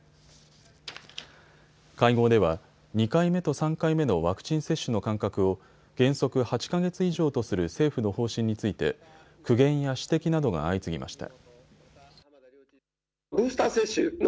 会合では２回目と３回目のワクチン接種の間隔を原則８か月以上とする政府の方針について苦言や指摘などが相次ぎました。